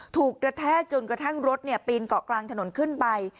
กระแทกจนกระทั่งรถปีนเกาะกลางถนนขึ้นไป